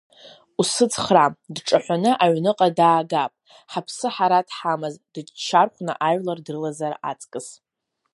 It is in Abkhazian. Усыцхраа дҿаҳәаны аҩныҟа даагап, ҳаԥсы ҳара дҳамаз, дыччархәны ажәлар дрылазар аҵкыс.